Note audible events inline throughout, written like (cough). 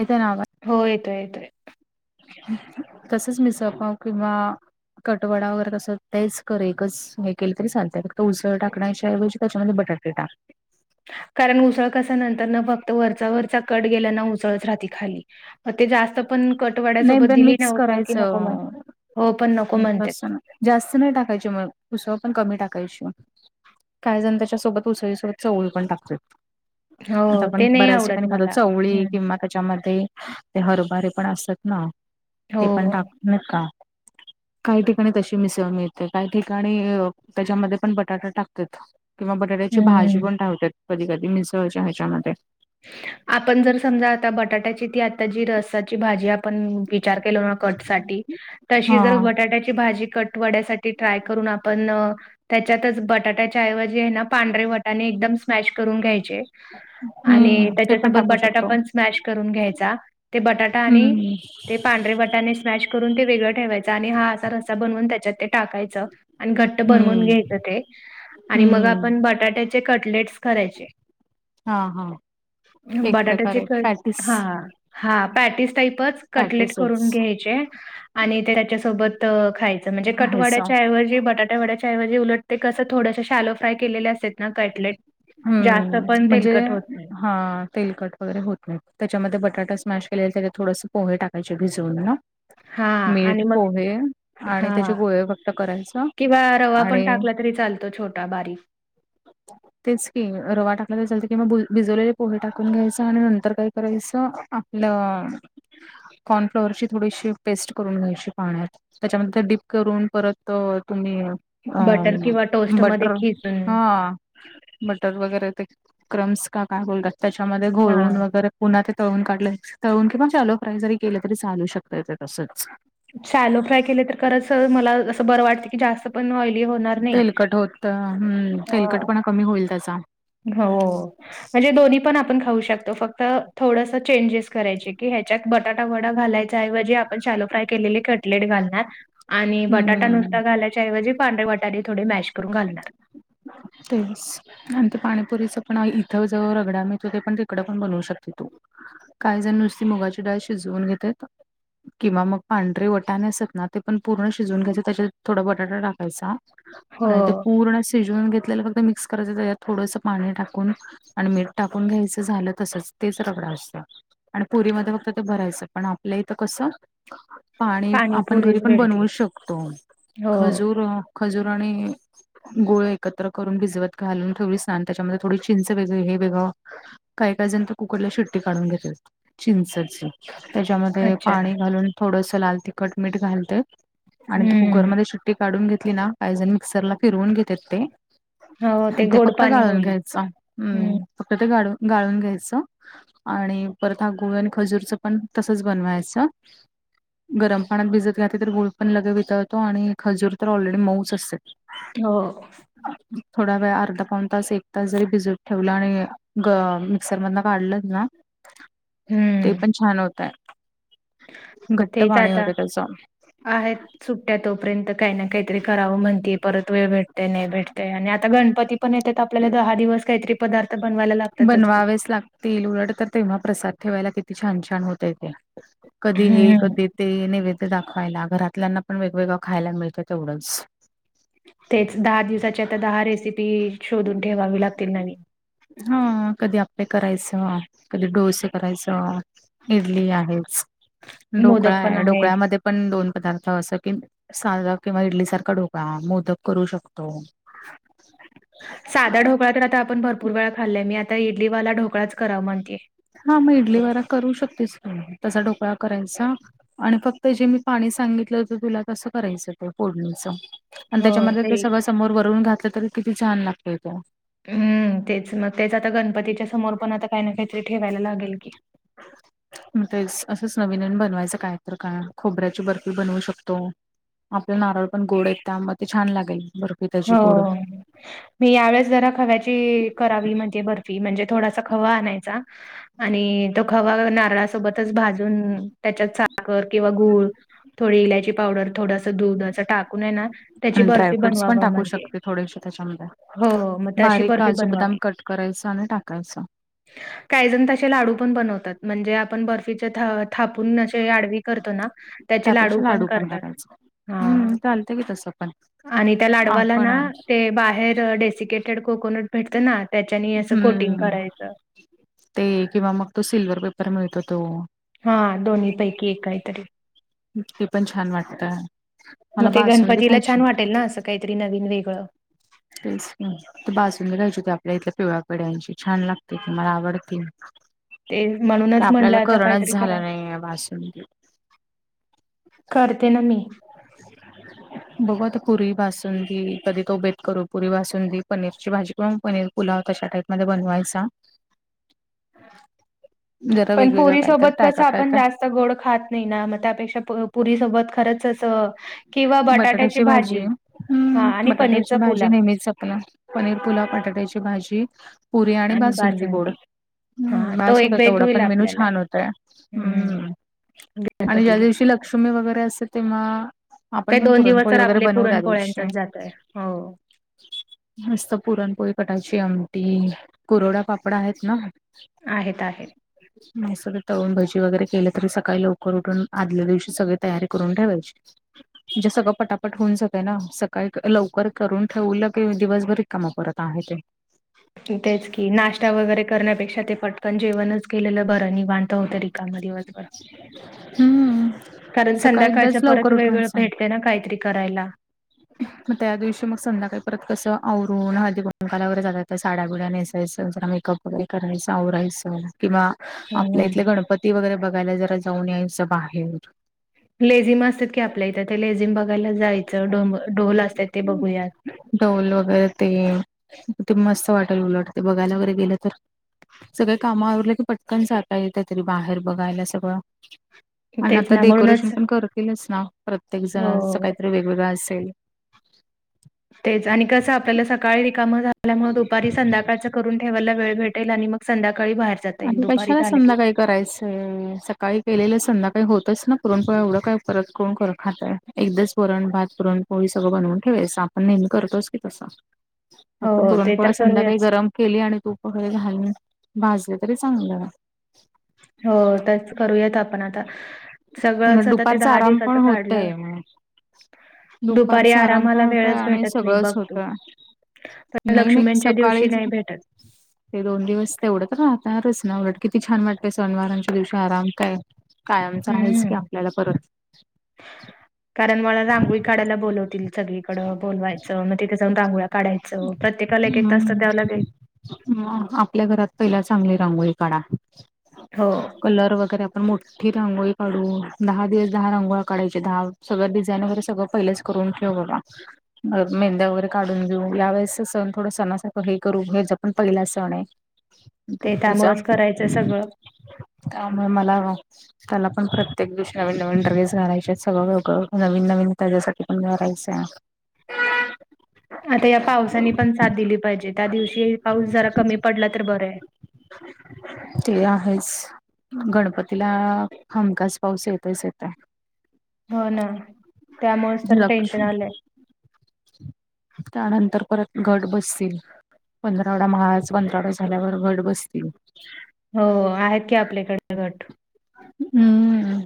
येत ना आवाज. हो येतो येतोय. तसच मिसळ पाव किंवा. कटवडा वगैरे कसं, तेच कर एकच, हे केलं तरी चालतय, फक्त उसळ टाकण्याच्या ऐवजी त्याच्यामध्ये बटाटे टाक. कारण उसळ कस नंतर ना, फक्त वरचा वरचा कट गेल्या ना, उसळच राहते खाली. ते जास्त पण नाही कटवाड्यासोबत पण दिली ना मिक्स उकळ की, नको म्हण करायचं हो पण नको म्हणतात. लसूण जास्त नाही टाकायची मग, उसळ पण कमी टाकायची. काय जण त्याच्या सोबत उसळीसोबत चवळी पण टाकतात. हो आता आपण ते नाही बऱ्याच ठिकाणी आवडत खातो, मला चवळी हम्म किंवा त्याच्यामध्ये ते हरभरे पण असतात ना, हो ते पण हो टाकत नाहीत का काही ठिकाणी तशी मिसळ मिळते, काही ठिकाणी त्याच्यामध्ये पण बटाटा टाकत्यात. किंवा बटाट्याची भाजी हम्म पण ठावतात, कधी कधी मिसळच्या ह्याच्यामध्ये आपण जर समजा, आता बटाट्याची ती आता जी रसाची भाजी आपण विचार केल ना कटसाठी, तशी हा जर बटाट्याची भाजी कट वड्यासाठी ट्राय करून आपण त्याच्यातच बटाट्याच्या ऐवजी आहे ना, पांढरे वटाणे एकदम स्मॅश करून घ्यायचे. आणि हम्म ते पण त्याच्यासोबत टाकू बटाटा शकतो पण स्मॅश करून घ्यायचा, ते बटाटा आणि हम्म ते पांढरे वटाने स्मॅश करून ते वेगळं ठेवायचं, आणि हा असा रस्सा बनवून, त्याच्यात ते टाकायचं. आणि घट्ट बनवून हम्म घ्यायचं ते, आणि मग हम्म आपण बटाट्याचे कटलेट्स करायचे. हा हा. एक बटाट्याचे प्रकारे तर, पॅटीस हा. हा, पॅटीस टाईपच कटलेट पॅटीसच करून घ्यायचे, आणि ते त्याच्यासोबत खायचं, म्हणजे आहेस कटवाड्याच्या ऐवजी बटाट वड्याच्या ऐवजी, उलट ते कसं थोडस शॅलो फ्राय केले असतात ना कटलेट जास्त हम्म! पण म्हणजे तेलकट होत नाही. हा, तेलकट वगैरे होत नाही, त्याच्यामध्ये बटाटा स्मॅश केलेला त्याच्या थोडस पोहे टाकायचे भिजवून ना. हां आणि मीठ, मग पोहे, आणि त्याचे हां. गोळे फक्त करायचं, किंवा रवा पण आणि टाकला तरी चालतो छोटा बारीक तेच की, रवा टाकालेला चालतय किंवा, भिजवलेले पोहे टाकून घ्यायचं, आणि नंतर काय करायचं ल कॉर्नफ्लॉवरची थोडीशी पेस्ट करून घ्यायची पाण्यात त्याच्यामध्ये डीप करून, परत तुम्ही अ, बटर किंवा टोस्टमध्ये बटर, खिसून हा. बटर वगैरे ते, क्रम्स का काय बोलतात, त्याच्यामध्ये घोळवून हां. वगैरे पुन्हा ते तळून काढलं, तळून किंवा शालो फ्राय जरी केलं तरी चालू शकतय ते तसंच. शालो फ्राय केले तर खरंच, मला असं बरं वाट जास्त पण ऑईली होणार नाही. तेलकट होत हम्म हा तेलकटपणा कमी होईल त्याचा हो. म्हणजे दोन्ही पण आपण खाऊ शकतो, फक्त थोडसं चेंजेस करायचे, की ह्याच्यात बटाटा वडा घालाय एवजी आपण शालो फ्राय केलेले कटलेट घालणार, आणि बटाटा न हम्म घाल्याच्याऐवजी पांढरे बटाट थोडे मॅश करून घालणार. तेच आणि ते पाणीपुरीच पण इथं जो रगडा मिळतो, ते पण तिकडं पण बनवू शकते तू. काही जण नुसती मुगाची डाळ शिजवून घेत्यात किंवा मग पांढरे वटाणे असतात ना, ते पण पूर्ण शिजवून घ्यायच, त्याच्यात थोडा बटाटा टाकायचा. आणि ते हो. पूर्ण शिजवून घेतलेलं फक्त मिक्स करायच, त्यात थोडंस पाणी टाकून आणि मीठ टाकून घ्यायचं, झालं तसच तेच रगडा असतं. आणि पुरीमध्ये फक्त ते भरायचं पण आपल्या इथं कसं पाणी आपण घरी पाणीपुरीच पण भेटते. बनवू शकतो हो. खजूर खजुर आणि गुळ एक एकत्र करून भिजवत घालून ठेवलिस ना त्याच्यामध्ये थोडी चिंच वेगळी हे वेगळं काही काही जण तर कुकरला शिट्टी काढून घेतात चिंचच त्याच्यामध्ये अच्छा. पाणी घालून थोडस लाल तिखट मीठ घालतत. आणि ती हं. कुकरमध्ये शीट्टी काढून घेतली ना काही जण मिक्सरला फिरवून घेत्यात ते हो, आणि ते गोड फक्त पाणी गाळून होईल. घ्यायचं हं. हम्म फक्त ते गाळु गाळून घ्यायचं. आणि परत हा गूळ आणि खजूरच पण तसच बनवायचं. गरम पाण्यात भिजत घातल तर गुळ पण लगेच वितळतो आणि खजूर तर ऑलरेडी मऊच असत हो. थोडा वेळ अर्धा पाऊन तास एक तास जरी भिजत ठेवला आणि ग मिक्सर मधन काढलं ना ते हम्म पण छान होतय. घट्ट तेच पाणी आता होतंय त्याच आहेत. सुट्टया तोपर्यंत काही ना काहीतरी करावं म्हणती परत वेळ भेटतय नाय भेटतय आणि आता गणपतीत पण येतात आपल्याला दहा दिवस कायतरी पदार्थ बनवायला ला बनवावेच लागतील उलट तर तेव्हा प्रसाद ठेवायला किती छान छान होतय ते. कधी हे हम्म कधी ते नैवेद्य दाखवायला घरातल्यांना पण वेगवेगळं खायला मिळतं तेवढंच. तेच दहा दिवसाचे आता दहा रेसिपी शोधून ठेवावी लागतील नवीनं हा कधी आप्पे करायचं कधी डोस करायचं. इडली आहेच ढोकळा मोदक पण आहे आहेत ढोकळ्यामध्ये पण दोन पदार्थ असं की साधा किंवा इडली सारखा ढोकळा, मोदक करू शकतो. साधा ढोकळा तर आता आपण भरपूर वेळा खाल्लय मी आता इडली वाला ढोकळाच कराव म्हणते. हा म इडली वाला करू शकतेस की तसा ढोकळा करायचा. आणि फक्त जे मी पाणी सांगितलं होत तुला तसं करायचं ते फोडणीच आणि त्याच्यामध्ये ते सगळं समोर वरून घातलं तरी किती छान लागतय तो. हम्म तेच मग तेच आता गणपतीच्या समोर पण आता काय ना कायतरी ठेवायला लागेल की. (inaudible) म तेच असंच नवीन नवीन बनवायचं काय तर का खोबऱ्याची बर्फी बनवू शकतो. आपल नारळ पण गोड आहेत त्यामुळं ते छान लागेल बर हो मी यावेेळेस जरा खव्याची करावी म्हणते बर र्फी म्हणजे थोडासा खवा आणायचा आणि तो खवा नारळासोबतच भाजून त्याच्यात साखर किंवा गूळ थोडी इलायची पावडर थोडसं दूध असं टाकून हाय ना त्याची आणि बर्फी ड्रायफूट पण बनवावं टाक कू म्हणजे शकते थोडेश त्याच्यामध्ये हो मग तशी बारीक बर्फी काजू बदाम बनवावी कट करायच आणि टाकायचं. (inaudible) काही जण तसे लाडू पण बनवतात म्हणजे आपण बर्फीचे थ थापून असे आडवी करतो ना त्याचे लाडू पण करतात हा हम्म चालतंय की तसं पण आणि त्या लाडवाला आपण ना ते बाहेर डेसिकेटेड कोकोनट भेटतं ना त्याच्यानी असं कोटिंग हम्म कराय (unintelligible) ते किंवा मग तो सिल्व्हर पेपर मिळतो तो हा दोन्ही पैकी एक कायतरी ते, पण छान वाटत. मग ते, गणपतीला छान वाटेल ना, अस काहीतरी नवीन वेगळ (unintelligible) बाजूला घ्यायची होती. आपल्या इथल्या पिवळ्या पेढ्यांची छान लागते मला आवडते. ते म्हणूनच म्हणलं आपल्याला आता कोरोना काहीतरी करा झाला नाही आहे. भासून करते ना, मी. (inaudible) बघू आता पुरी बासुंदी कधी तो बेत करो, पुरी बासुंदी पनीरची भाजी पण पनीर पुलाव तशा टाईप मध्ये बनवायचा. जरा वेगवेगळं काय तर, टाका काय तर च गोड खात नाही ना, मग त्यापेक्षा पुरी सोबत खरंच अस. बटाट्याची भाजी हा हम्म, आणि बटाट्याची पनीरचा भाजी पुलाव नेहमीच आपला पनीर, पुुलाव, बटाट्याची भाजी, पुरी आणि बासुंदी गोड. हा हम्म, तो बास एक होता. बेत तेवढा होईल पण मेनू आपल्याला छान होतय. हम्म, आणि ज्या गणपतीला दिवशी लक्ष्मी वगैरे असत तेव्हा आपण ते पण दोन दिवस पुरणपोळी तर वगैरे आपले बनवू त्या दिवशी. पुरणपोळ्यांचाच जातोय हो मस्त पुरणपोळी कटायची आमटी कुरडा पापडा आहेच ना. आहेत आहेत (inaudible) नाहीसा तळून भजी वगैरे केलं तरी सकाळी लवकर उठून आदल्या दिवशी सगळी तयारी करून ठेवायची. (unintelligible) म्हणजे सगळं पटापट होऊन जातंय, ना सकाळी लवकर करून ठेवलं की, दिवसभर रिकाम परत आहे ते तेच की, नाश्ता वगैरे करण्यापेक्षा ते पटकन जेवणच केलेलं बरं निवांत होतय. हम्म, कारण सकाळी एकदाच संध्याकाळच्या परत लवकर वेगवेगळ उठवायचं. भेटतय ना काहीतरी करायला. (inaudible) मग, त्या दिवशी मग संध्याकाळी परत कसं आवरून हळदी- कुंकूवाला वगैरे जातात. तर साड्या- बिड्या नेसायचं जरा मेकअप सगळीकड करायचं आवरायचं. किंवा आपल्या हं. इथले गणपती वगैरे बघायला जरा जाऊन यायच बाहेर. लेझिम असतात. की आपल्या इथं ते लेझिम बघायला जायचं ढोम ढोल असतात. ते बघूया. ढोल वगैरे तेन किती मस्त वाटेल, उलट ते बघायला वगैरे गेलं तर सगळ काम आवरलं की पटकन जाता येत, तरी बाहेर बघायला सगळ. आणि तेच आता ना डेकोरेशन म्हणूनच पण करतीलच ना, प्रत्येक जण अस हो काहीतरी वेगवेगळं असेल. तेच आणि कसं आपल्याला सकाळी रिकामं झाल्यामुळे दुपारी, संध्याकाळचं करून ठेवायला. वेळ भेटेल आणि मग संध्याकाळी बाहेर जाता येईल आणि दुपारी कशाला झालं की संध्याकाळी करायचंय सकाळी केलेलं संध्याकाळी होतच ना, पुरणपोळ्या एवढं काय परत कोण करून खातय. एक दिवस वरण, भात, पुरण पोळी सगळं बनवून ठेवायच. आपण नेहमी करतोच की तस, फक्त हो पुरण ते पोळ्या तर संध्याकाळी करूयाच. गरम केले. आणि तूप वगैरे घालून भाजले तरी चांगलं. हो, तेच करूयात आपण आता उलट सगळंच आता ते दुपारचा दहा आराम पण दिवसाचं काढल्यावर होतय दुपारचा आराम पण आरामाला होतोय. वेळच आणि भेटत नाही सगळंच बघ तू होतय. नाही नाही. लक्ष्मीच्या दिवशी सकाळीच नाही भेटत. ते दोन दिवस तेवढं तर राहताच ना उलट किती छान वाटते सण वराच्या दिवशी आराम काय? हे तर आहेच हम्म. की, आपल्याला परत कारण मला रांगोळी काढायला बोलवतील. सगळीकडं, बोलवायचं मग तिथे जाऊन रांगोळ्या काढायचं. प्रत्येकाला एक -एक तास तर द्यावं लागेल. हम आपल्या घरात पहिला चांगली रांगोळी काढा. हो कलर वगैरे आपण मोठी रांगोळी काढू, दहा दिवस दहा रांगोळ्या काढायच्या, दहा सगळं डिझाईन वगैरे सगळ पहिलेच करून ठेव बाबा. आज मेंहंद्या वगैरे काढून घेऊ, या वेळेसचा सण थोडा सणासारखं हे करू, ह्याचा पण पहिला सण ये. ते डुग्गु चा, त्यामुळेच करायचं सगळं. त्यामुळे मला त्याला पण प्रत्येक दिवशी नवीन-नवीन ड्रेस घालायचे, सगळंं नवीन-नवीन पहिल्यासाठी पण घालायचं. आता या पावसानी पण साथ दिली पाहिजे, त्या दिवशी पाऊस जरा कमी पडला तर, बरं ये. (inaudible) ते आहेच, गणपतीला आ हमखास पाऊस येतच येतय. हो ना, त्यामुळेच तर टेन्शन लक्ष्मी आलंय. त्यानंतर परत घट बसतील. पंधरावडा महाळाचा, पंधरावडा झाल्यावर घट बसतील. हो, आहेत की आपल्याकडे घट. हम्म.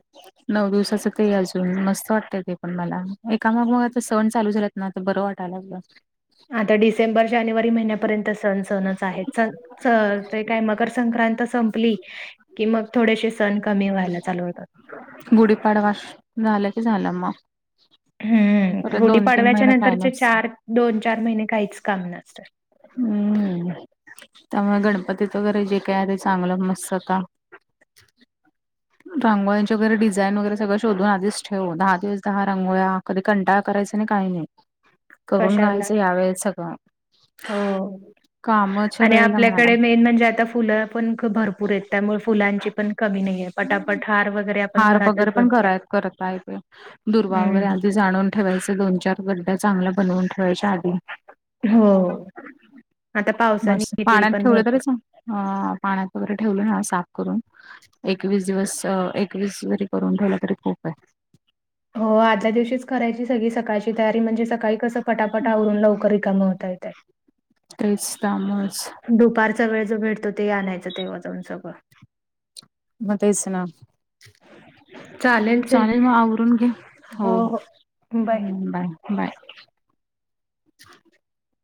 नऊ दिवसाचं ते अजून, मस्त वाटतय ते पण मला, एका मागोमाग आता सण चालू झालेत. नाय आता बरं वाटाया लागलं. आता डिसेंबर-जानेवारी महिन्यापर्यंतच सण-सणच आहे चल च, ते काय मकर संक्रांत संपली की मग थोडेशे सण कमी व्हायला चालू होतात. गुढीपाडवा श झालं की झालं मग. हम्म परत दोन तीन गुढीपाडव्याच्या महिने काय नंतरचे नसतं. चार, दोन-चार महिने काहीच काम नसतं. हम्म त्यामुळे गणपतीत वगैरे जे काय आहे, ते चांगलं मस्त आता रांगोळ्यांच्या वगैरे डिझाईन वगैरे सगळं शोधून आधीच ठेव, दहा दिवस दहा रांगोळ्या कधी कंटाळा करायचा नाही, काही नाही, करून कशाला घ्यायचं यावेेळेस सगळ. हो आणि आपल्याकडे म्हणाला. मेन म्हणजे आता फुलं पण खप भरपूर ये, त्यामुळ फुलांची पण कमी नहीे, पटापट हार वगैरे आपण हार वगैरे घरातच पण बनवूया. घरात करत आहे, ते दुर्वा वगैरे हम्म जाणून ठेवायच, दोन चार गड्ड्या चांगल्या बनवून ठेवायच्या आधी. हो आता पावसाने मस्त येतील पाण्यात पण ठेवलं तरी भरपूर. चांग अ पाण्यात वगैरे ठेवलं ना, साफ करून एकवीस-दिवस, अ एकवीस जरी करून ठेवला तरी खूप ये. हो आदल्या दिवशीच करायची सगळी सकाळची तयारी, म्हणजे सकाळी कसं पटापट आवरून लवकर रिकाम होता येतय. त्रेसता मस. दुपारचा वेळ जो भेटतो ते आणायचं, तेव्हा जाऊन सगळं. म तेच ना, चालेल मग आवरून घे. हो हो, हम्म बाय बाय (inaudible)